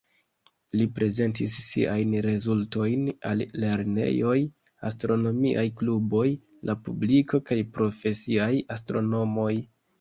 Li prezentis siajn rezultojn al lernejoj, astronomiaj kluboj, la publiko kaj profesiaj astronomoj.